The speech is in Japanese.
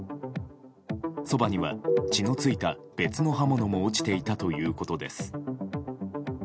そばには、血の付いた別の刃物も落ちていたということです。